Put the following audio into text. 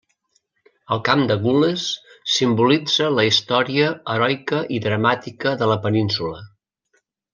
El camp de gules simbolitza la història heroica i dramàtica de la península.